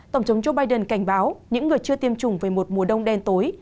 tổng thống joe biden cảnh báo những người chưa tiêm chủng về một mùa đông đen tối